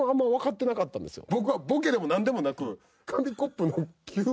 僕はボケでも何でもなく。